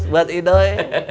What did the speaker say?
tiga ratus buat ido eh